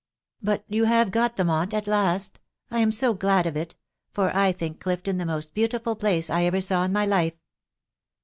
" But you have got them, aunt, at last ?.... I am so glad of it !.... for I think Clifton the moat beautiful place I ever saw in my life."